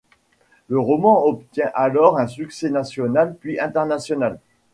Le roman obtient alors un succès national puis international.